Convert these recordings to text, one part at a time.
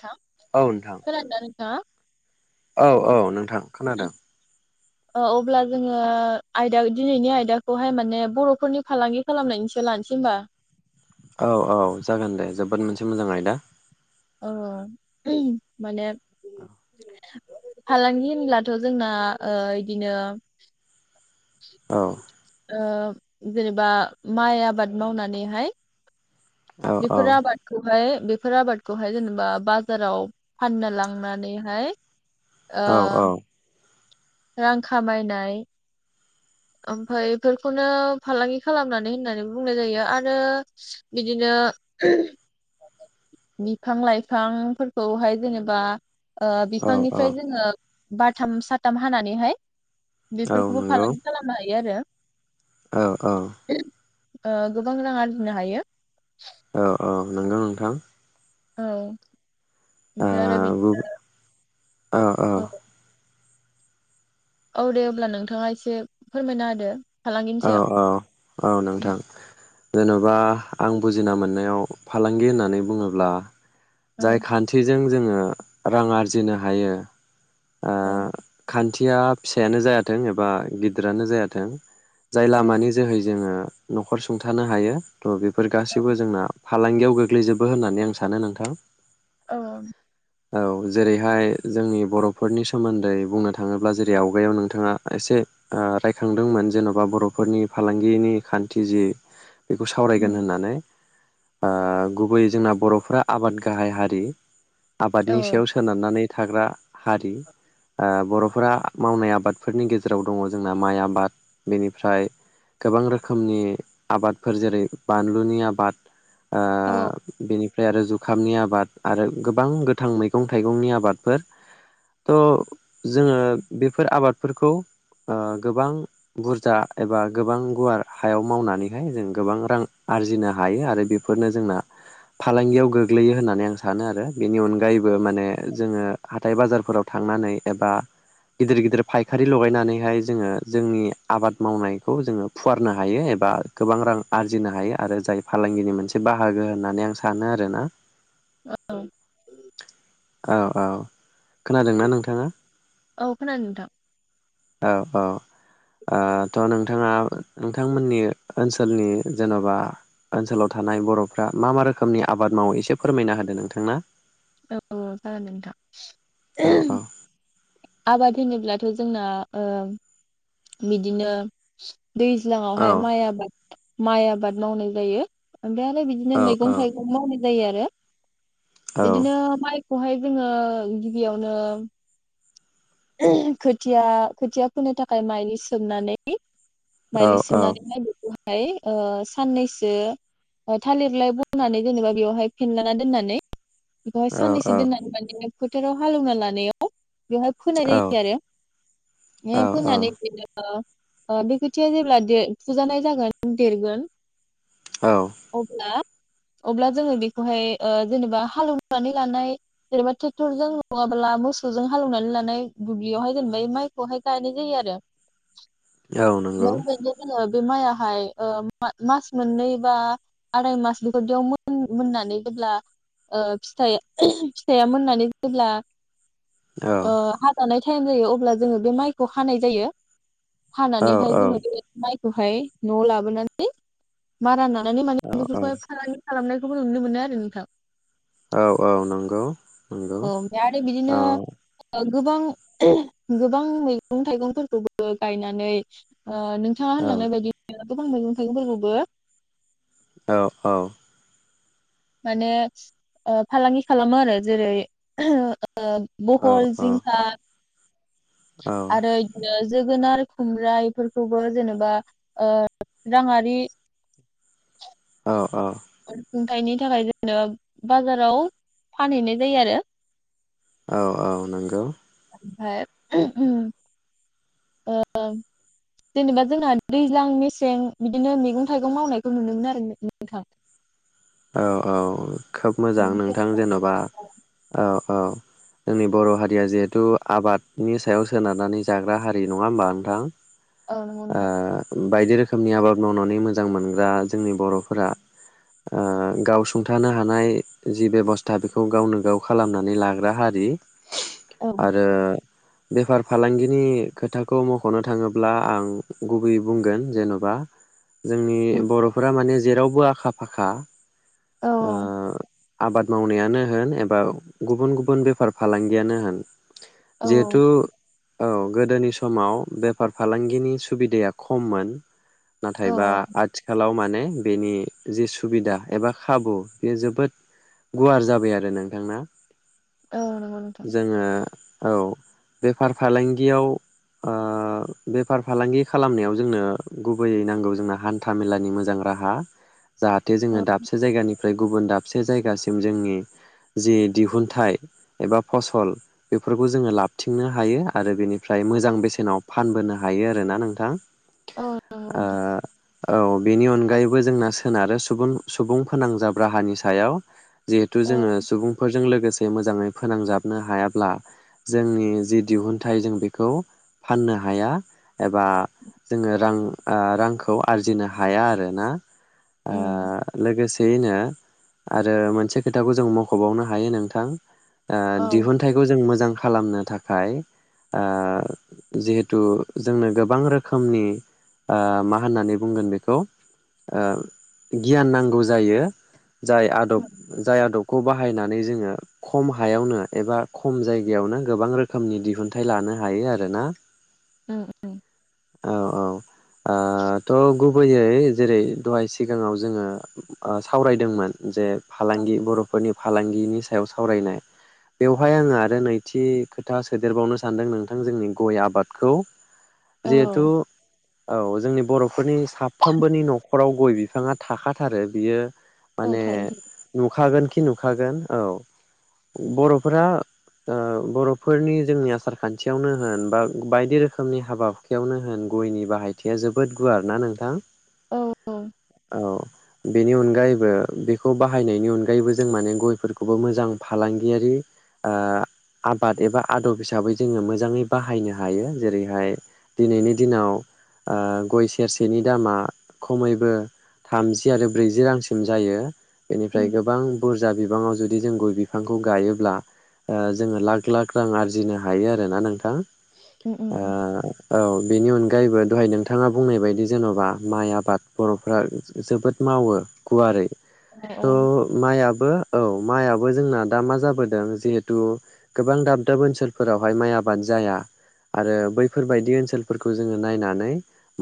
थां औ नोंथां खोनादों ना नों [unintelligible] औ औ नोंथां। खानादों। अ अब्ला जोङो आयदा दिनैनि आयदाखौहाय माने बर'फोरनि फालांगि खालामनायनिसो लानोसै होमबा औ औ जागोन दे जोबोद मोनसे मोजां आयदा। अ [unintelligible] माने फालांगि होनब्लाथ' जोंना ओ इदिनो औ ओ जेनेबा माइ आबाद मावनानैहाय औ औ बिफोर आबादखौहाय बेफोर आबादखौहाय जेनेबा बाजाराव फानना लांनानैहाय ओ औ रां खामायनाय ओमफाय इफोरखौनो फालांगि खालामनानै होननानै बुंनाय जायो आरो बिदिनो [unintelligible] बिफां लाइफांफोरखौहाय जेनेबा ओ औ औ बिफांनिफ्राय जोङो बारथाम साथाम हानानैहाय औ बेफोरखौबो नंगौ फालांगि [unintelligible] आरो औ औ ओ गोबां रां आरजिनो हायो। औ औ नोंगौ नोंथां। औ ओमफाय आरो ओ बिदिनो औ औ दे अब्ला नोंथाङा एसे फोरमायना होदो। फालांगिनि औ सायाव औ औ नोंथां जेन'बा आं बुजिना मोननायाव फालांगि होननानै बुङोब्ला औ जाय खान्थिजों जोङो रां आरजिनो हायो औ थिया फिसायानो जायाथों एबा गिदिरानो जायाथों जाय लामानि औ जोहै जोङो न'खर सुंथानो हायो थ' बेफोर गासैबो जोंना फालांगियाव गोग्लैजोबो होननानै आं सानो नोंथां औ औ जेरैहाय जोंनि बर' फोरनि सोमोन्दै बुंनो थाङोब्ला जेरै आवगायाव नोंथाङा एसे रायखांदोंमोन जेन'बा बर'फोरनि फालांगिनि खान्थि जि बेखौ सावरायगोन उम होननानै ओ गुबैयै जोंना बर'फोरा आबाद गाहाय हारि औ आबादनि सायाव सोनारनानै थाग्रा हारि ओ बर'फोरा मावनाय आबादफोरनि गेजेराव दङ जोंना माइ आबाद बेनिफ्राय गोबां रोखोमनि आबादफोर जेरै बानलुनि आबाद औ ओमफ्राय आरो जुखामनि आबाद आरो गोबां गोथां मैगं थाइगंनि आबादफोर थ' जोङो बेफोर आबादफोरखौ ओ गोबां बुरजा एबा गोबां गुवार हायाव मावनानैहाय जों गोबां रां आरजिनो हायो आरो बेफोरनो जोंना फालांगियाव गोग्लैयो होननानै आं सानो आरो बेनि अनगायैबो माने जोङो [unintelligible] दाइ बाजार फोराव थांनानै एबा गिदिर गिदिर फायखारि लगायनानैहाय जोङो जोंनि आबाद मावनायखौ जोङो फुवारनो हायो एबा गोबां रां आरजिनो हायो आरो जाय फालांगिनि मोनसे बाहागो होननानै आं सानो आरोना औ औ औ खोनादोंना नोंथाङा औ खोनादों नोंथां औ औ ओ थ' नोंथाङा नोंथांमोननि ओनसोलनि जेन'बा ओनसोलाव थानाय बर'फ्रा मा मा रोखोमनि आबाद मावो एसे फोरमायना होदो नोंथांना औ जागोन नोंथां औ [unintelligible] आबाद होनोब्लाथ' जोंना बिदिनो औ दैज्लाङावहाय माइ आबाद माइ आबाद मावनाय जायो मालाय बिदिनो औ मैगं थाइगं माव जायो आरो औ बिदिनो माइ बेहाय जोङो गिबियावनो खोथिया खोथिया फोननो थाखाय माइनि सोमनानै औ औ माइलि सोमनानै ओमफ्राय ओ साननैसो थालिरलाय बनानै जेनेबा बेवहाय फेनलाना दोननानै बेहाय [unintelligible] फोथाराव हालेवना लानायाव बे फोनाय औ जायो आरो फोनानै बिदिनो ओ बे खोथिया जेब्ला फुजानाय जागोन देरगोन औ अब्ला जोङो बेखौहाय ओ जेनेबा हालेवनानै लानाय जेनेबा ट्रेक्टरजों नङाब्ला मोसौजों हालौवनानै लानो नाय दुब्लियावहाय जेनेबा माइखौहाय गायनाय जायो आरो औ नंगौ [unintelligible] बे माइहाय ओ मास मोननै बा आराय मास बेबायदियाव मोननानै जेब्ला ओ फिथाइ फिथाइया मोननानै जेब्ला औ ओ हाजानाय टाइम जायो अब्ला जोङो बे माइखौ हानाय जायो औ हानानैहाय औ जोङो [unintelligible] बेहाय न'आव लाबोनानै मारा ना नानै औ माने औ बेफोरखौहाय खालामनायखौबो नुनो मोनो आरो नोंथां औ औ नंगौ नंगौ औ [unintelligible] आरो बिदिनो औ [unintelligible] गोबां गोबां मैगं थाइगंफोरखौबो गायनानै ओ नोंथाङा औ होनलांनाय बायदि गोबां मैगं थाइगंफोरखौबो औ औ माने ओ फालांगि खालामो आरो जेरै ओ औ बहल औ जिंखा आरो इदिनो जोगोनार खुमब्रा इफोरखौबो जेनेबा राङारि अ अ ओमखायनि थाखाय जोङो बाजाराव फानहैनाय जायो आरो औ औ नंगौ ओफ्राय ओ जेनेबा जोंना दैज्लां मेसें बिदिनो मैगं थाइगं मावनायखौ नुनोमोनो आरो नोंथां औ औ औ खोब मोजां नोंथां जेनबा ओ औ जोंनि बर हारिया जिहेथु आबादनि सायाव सोनारनानै जाग्रा हारि नङा हबा नोंथां? औ नंगौ ओ नोंथां बायदि रोखोमनि आबाद मावनानै मोजां मोनग्रा जोंनि बरफोरा ओ गावसुंथानो हानाय जि बेबस्था बेखौ गावनो गाव खालामनानै लाग्रा हारि औ आरो बेफार फालांगिनि खोथाखौ मखनो थाङोब्ला आं गुबैयै बुंगोन जेनबा जोंनि बर फोरा माने जेरावबो आखा फा खा औ ओ आबाद मावनायानो होन एबा गुबुन गुबुन बेफार फालांगियानो होन औ जिहेतु औ गोदोनि समाव बेफार फालांगिनि सुबिदाया खममोन औ नाथायबा आथिखालाव माने बेनि जि सु सुबिदा एबा खाबु बेयो जोबोद गुवार जाबाय आरो नोंथांना औ नंगौ नोंथां जोङो औ बेफार फालांगियाव ओ बेफार फालांगि खालामनायाव जोंनो गुबैयै नांगौ जोंना हान्था मेलानि मोजां राहा जाहाथ थे जोङो औ दाबसे जायगानि फ्राय गुबुन दाबसे जायगासिम जोंनि जि दिहुनथाइ एबा फसल बेफोरखौ जोङो लाबथिंनो हायो आरो बेनिफ्राय मोजां बेसेनाव फानबोनो हायो आरोना नोंथां। औ नंगौ ओ नोंथां। औ बेनि अनगायैबो जोंना सोनारो सुबुं सुबुं फोनांजाब राहानि सायाव जिहेतु औ जोङो सुबुंफोरजों लोगो से मोजाङै फोनांजाबनो हायाब्ला जोंनि जि दिहुनथाइ जों बेखौ फान्नो हाया एबा जोङो रां ओ रांखौ आरजिनो हाया। आरो ना? ओ उम लोगोसे यैनो आरो मोनसे खोथाखौ जों मख'बावनो हायो नोंथां ओ औ दिहुनथाइखौ जों मोजां खालामनो थाखाय ओ जिहेथु जोंनो गोबां रोखोमनि ओ मा होन्नानै बुंगोन बेखौ ओ गियान नांगौ जायो। जाय आदब जाय आदब खौ बाहायनानै जोङो खम हायावनो एबा खम जायगायावनो गोबां रोखोमनि दिहुनथाइ लानो हायो आरो ना? ओ ओ औ औ ओ त' गुबैयै जेरै दहाय सिगाङाव जोङो सावरायदोंमोन। जे औ फालांगि बर'फोरनि फालांगिनि सायाव सावरायनाय बेवहाय आङो आरो नैथि खोथा सोदेरबावनो सानदों नोंथां जोंनि गय आबादखौ जिहेथु औ जोंनि बर'फोरनि साफ्रोमबोनि न'खराव गय बि फाङा थाखाथारो बियो औ माने थायो थायो नुखागोन खि नुखागोन औ बर'फोरा बर'फोरनि जोंनि आसार खान्थियावनो होन बा बायदि रोखोमनि हाबा हुखायावनो होन गयनि बाहायथि जोबोद गुवार ना नोंथां। औ औ औ बेनि अनगायैबो बेखौ बाहायनायनि अनगायैबो जों माने गयफोरखौबो मोजां फालांगियारि आबाद एबा आदब हिसाबै जोङो मोजाङै बाहायनो हायो जेरैहाय दिनैनि दिनाव गय सेरसेनि दामा खमैबो थामजि आरो ब्रैजि रांसिम जायो। बेनिफ्राय उम गोबां बुरजा बिबाङाव जुदि जदि जों गय बिफांखौ गायोब्ला जोङो लाख लाख रां आर्जिनो हायो आरोना नोंथां? उम ओ उम औ बेनि अनगायैबोद दहाय नोंथाङा बुंनाय बायदि जेन'बा माइ आबाद बर'फोरा जोबोद मावो गुवारै औ औ थ माइयाबो औ माइआबो जोंना दा मा जाबोदों जिहेथु गोबां दाब दाब ओनसोलफोरावहाय माइ आबाद जाया आरो बैफोरबायदि ओनसोलफोरखौ जोङो नायनानै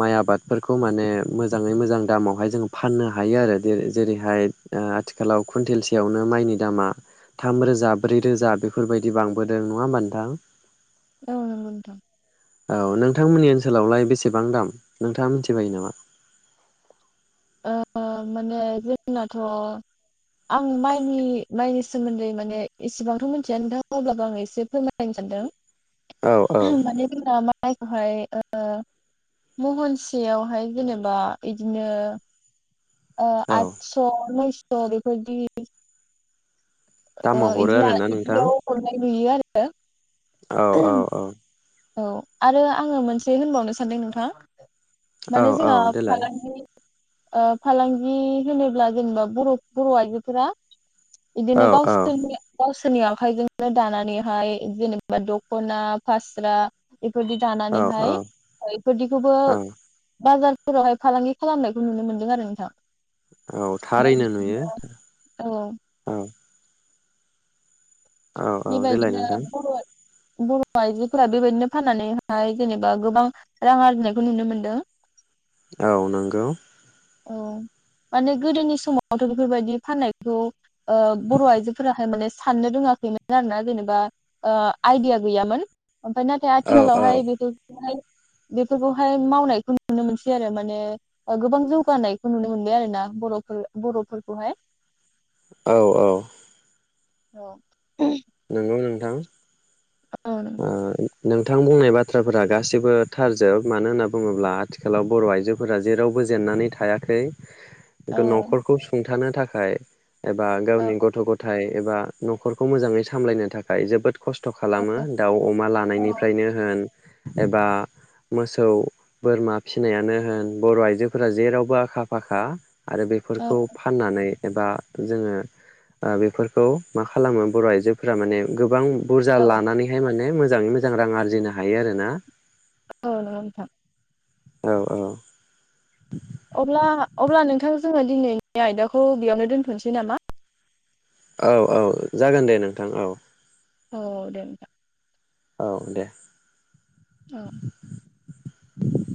माइ आबादफोरखौ माने मोजाङै मोजां दामावहाय जोङो फाननो हायो आरो जेर जेरैहाय ओ आथिखालाव कुन्टेलसेयावनो माइनि दामा थाम रोजा ब्रै रोजा बेफोरबायदि बांबोदों नङा ओमबा नोंथां। औ नंगौ नोंथां। थांमोननि ओनसोलावलाय बेसेबां दाम नोंथाङा मिथिबायो नामा? ओ माने जोंनाथ' आं माइनि माइनि सोमोन्दै माने एसेबांथ' मिथिया नोंथां अब्लाबो आं एसे फोरमायलायनो औ औ सानदों। माने जोंना मा जायखौहाय ओ महनसेयावहाय जेनेबा इदिनो आ औ आथस' नौस अ बेफोरदि ओ दामाव हरो इदि ला आरोना नोंथां इदियाव हरनाय नुयो आरो [unintelligible] औ औ औ औ आरो आङो मोनसे होनबावनो सानदों नोंथां। औ माने औ जोंना देलाय फालांगिनि ओ फालांगि होनोब्ला जेनेबा बर'फ बर' आइजोफोरा औ इदिनो औ गावसोरनि गावसो सोरनि आखाइजोंनो दानानैहाय जेनेबा दख'ना फास स्रा इफोरदि औ दानानैहाय औ इफोरदिखौबो औ बाजार फोरावहाय फालांगि खालामनायखौ नुनो मोन्दों आरो नोंथां। औ ओमफ्राय थारैनो नुयो बिदिनो औ औ औ औ देलाय बेबायदिनो नोंथां बर' बर' आइजोफोरा बेबायदिनो फाननानैहाय जेनेबा गोबां रां आरजिनायखौ नुनो मोनदों। औ नोंगौ औ माने गोदोनि समावथ' बेफोरबायदि फाननायखौ ओ बर' आइजोफोराहाय माने साननो रोङाखैमोन आरो ना जेनेबा ओ आइदिया गैयामोन। ओमफाय नाथाय औ औ आथिखालावहाय बेफोरखौहाय बेफोरखौहाय मावनायखौ नुनो मोनसै आरो माने ओ गोबां जौ [unintelligible] नुनो मोनबाय आरो ना बर'फोर बर'फोरखौहाय औ औ औ नोंगौ नोंथां। ओ [unintelligible] नोंथां बुंनाय बाथ्राफोरा गासिबो थारजोब मानो होनना बुङोब्ला आथिखालाव बर' आइजोफोरा जेरावबो जेननानै थायाखै। औ गोन नखरखौ सुं थानो थाखाय एबा औ गावनि गथ' गथाइ एबा नखरखौ मोजाङै सा मलायनो थाखाय जोबोद खस्थ' खालामो दाउ, अमा औ लानायनिफ्रायनो होन एबा मोसौ, बोरमा फिसिनायानो होन बर' आइजोफोरा जेरावबो आखा फाखा। आरो औ बेफोरखौ फाननानै एबा जोङो ओ बेफोरखौ मा खालामो बर' आइजो फोरा माने गोबां बुरजा औ लानानैहाय माने मो जाङै मोजां रां आरजिनो हायो आरोना। औ नंगौ नोंथां। औ औ। अब्ला अब्ला नोंथां जोङो दिनैनि आयदाखौ बेयावनो दोनथ'नोसै नामा? औ औ जागोन दे नोंथां औ। औ दे नोंथां। औ दे। औ। [inaudible]